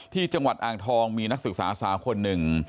ที่จังหวัดอ่างทองมีนักศึกษาสาวคนหนึ่ง